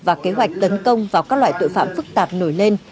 và kế hoạch tấn công vào các loại tội phạm phức tạp nổi lên